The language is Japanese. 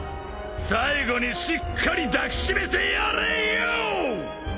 最後にしっかり抱き締めてやれよ！